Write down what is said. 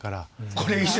これ以上！？